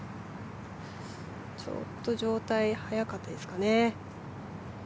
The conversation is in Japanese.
ちょっと上体、早かったですかね。